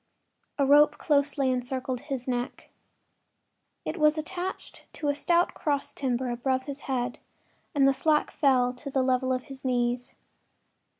A rope closely encircled his neck. It was attached to a stout cross timber above his head and the slack fell to the level of his knees.